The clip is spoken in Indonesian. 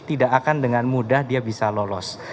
tidak akan dengan mudah dia bisa lolos